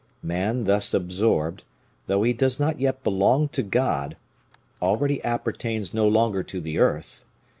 Man thus absorbed, though he does not yet belong to God, already appertains no longer to the earth.